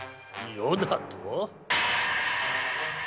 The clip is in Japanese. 「余」だと？